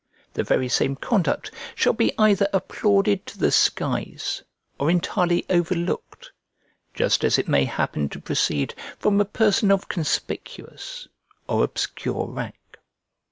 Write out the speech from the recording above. The very same conduct shall be either applauded to the skies or entirely overlooked, just as it may happen to proceed from a person of conspicuous or obscure rank.